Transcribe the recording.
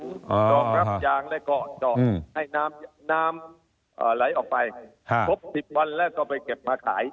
รองรับยางแล้วก็เจาะให้น้ำไหลออกไปครบ๑๐วันแล้วก็ไปเก็บมาขาย